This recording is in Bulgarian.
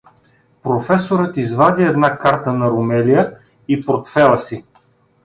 Професорът извади една карта на Румелия и портфела си.